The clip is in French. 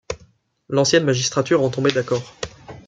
L’ancienne magistrature en tombait d’accord.